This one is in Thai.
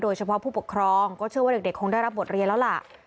เฉพาะผู้ปกครองก็เชื่อว่าเด็กคงได้รับบทเรียนแล้วล่ะ